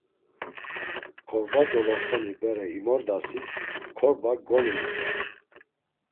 Korba doloxeni bere imordasis korba goninzden.